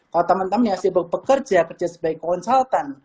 kalau teman teman yang sibuk bekerja kerja sebagai konsultan